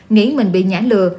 nghĩ mình bị nhã lừa